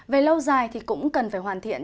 về lâu dài thì cũng cần phải hoàn thiện